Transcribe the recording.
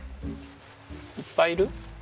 いっぱいいる？